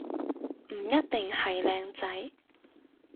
唔一定係靚仔